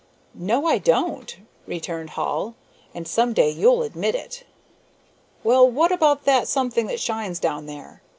"No, I don't," returned Hall, "and some day you'll admit it." "Well, what about that something that shines down there?